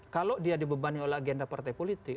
kalau dia dibebani oleh agenda partai politik